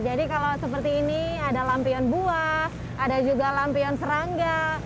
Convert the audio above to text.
jadi kalau seperti ini ada lampion buah ada juga lampion serangga